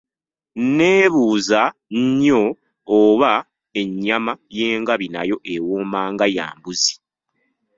Neebuuza nnyo oba ennyama y'engabi nayo ewooma nga ya mbuzi.